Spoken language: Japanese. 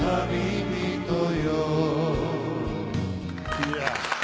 いや。